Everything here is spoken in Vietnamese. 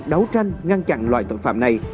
đấu tranh ngăn chặn loại tội phạm này